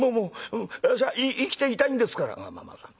私は生きていたいんですから」。